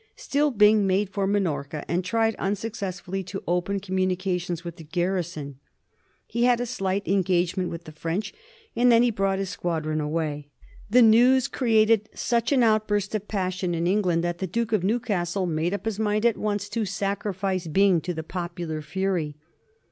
Still Byng made for Minorca, and tried unsuccessfully to open communi cations with the ganison. He had a slight engagement 13* 298 A HISTORY OF THE FOUR GEORGEa ch.xli. with the French, and then he brought his squadron away. The news created such an outburst of passion in England that the Duke of Newcastle made up his mind at once to sacrifice Byng to the popular fury.